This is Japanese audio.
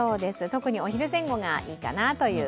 特にお昼前後がいいかなと。